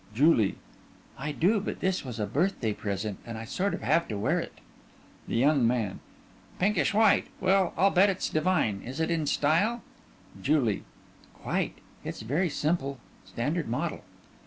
JULIE: I do but this was a birthday present and I sort of have to wear it. THE YOUNG MAN: Pinkish white. Well I'll bet it's divine. Is it in style? JULIE: Quite. It's very simple, standard model.